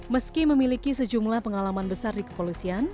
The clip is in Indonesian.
meski memiliki sejumlah pengalaman besar di kepolisian